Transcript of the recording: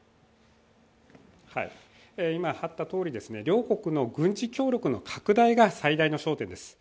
今あったとおり、両国の軍事協力の拡大が最大の焦点です。